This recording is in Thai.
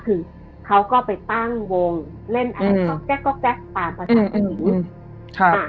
คือเขาก็ไปตั้งวงเล่นก็แจ๊กตามประสาทที่มี